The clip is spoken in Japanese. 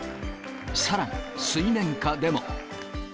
さらに水面下でも。